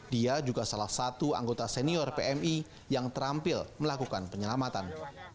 dia juga salah satu anggota senior pmi yang terampil melakukan penyelamatan